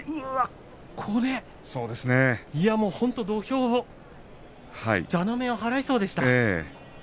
これ土俵、蛇の目を払いそうでした。